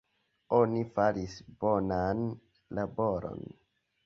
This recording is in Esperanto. Oni faris bonan laboron.